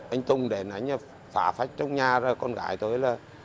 anh tùng đến anh em phá phách trong nhà rồi con gái tôi là